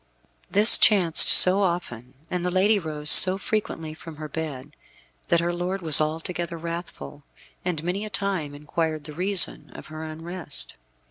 This chanced so often, and the lady rose so frequently from her bed, that her lord was altogether wrathful, and many a time inquired the reason of her unrest.